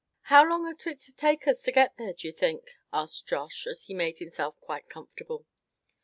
"How long ought it to take us to get there, d'ye think?" asked Josh, as he made himself quite comfortable.